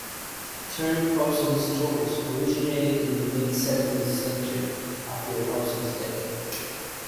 The term "Hobson's choice" originated in the mid-seventeenth century, after Hobson's death.